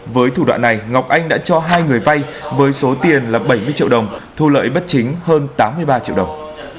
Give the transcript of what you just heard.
với thủ đoạn này ngọc anh đã cho hai người vay với số tiền là bảy mươi triệu đồng thu lợi bất chính hơn tám mươi ba triệu đồng